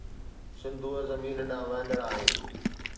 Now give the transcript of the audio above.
سنڌوءَ زمين ڏانهن وهندڙ آهي